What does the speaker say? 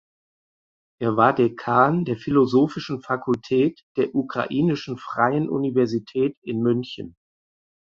Er war Dekan der philosophischen Fakultät der Ukrainischen Freien Universität in München.